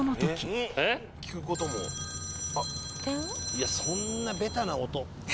いやそんなベタな音。